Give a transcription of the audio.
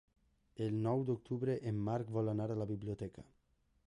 El nou d'octubre en Marc vol anar a la biblioteca.